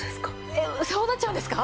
えっそうなっちゃうんですか？